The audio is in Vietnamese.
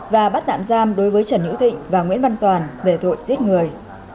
và bắt tạm giam đối với trần hữu thịnh và nguyễn văn toàn về tội giết người